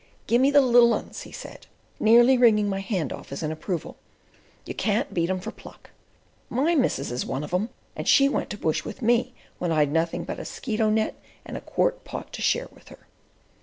"Gimme the little 'uns," he said, nearly wringing my hand off in his approval. "You can't beat 'em for pluck. My missus is one of 'em, and she went bush with me when I'd nothing but a skeeto net and a quart pot to share with her."